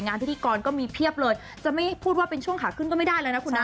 พิธีกรก็มีเพียบเลยจะไม่พูดว่าเป็นช่วงขาขึ้นก็ไม่ได้เลยนะคุณนะ